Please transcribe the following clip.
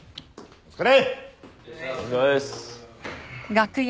お疲れ。